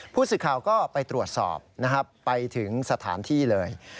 ผู้สื่อข่าวก็ไปตรวจสอบนะครับไปถึงสถานที่เลย